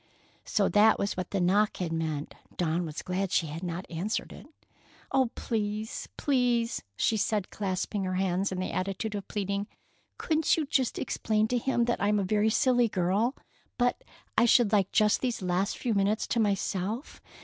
So that was what the knock had meant! Dawn was glad she had not answered it. "Oh, please, please," she said, clasping her hands in the attitude of pleading, "couldn't you just explain to him that I'm a very silly girl, but I should like just these last few minutes to myself.